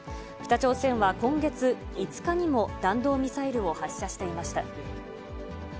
北朝鮮は今月５日にも弾道ミサイルを発射していました。